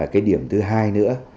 cái điểm thứ hai nữa